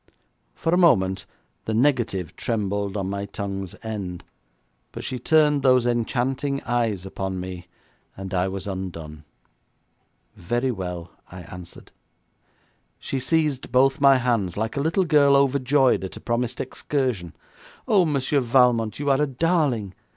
For a moment the negative trembled on my tongue's end, but she turned those enchanting eyes upon me, and I was undone. 'Very well,' I answered. She seized both my hands, like a little girl overjoyed at a promised excursion. 'Oh, Monsieur Valmont, you are a darling!